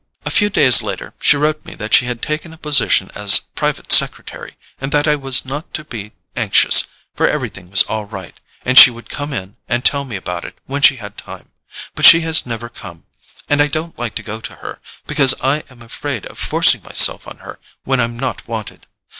A few days later she wrote me that she had taken a position as private secretary, and that I was not to be anxious, for everything was all right, and she would come in and tell me about it when she had time; but she has never come, and I don't like to go to her, because I am afraid of forcing myself on her when I'm not wanted.